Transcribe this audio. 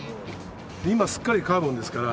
今すっかりカーボンですから。